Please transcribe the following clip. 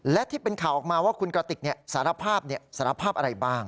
และที่เป็นข่าวออกมาว่าคุณกระติกสารภาพสารภาพอะไรบ้าง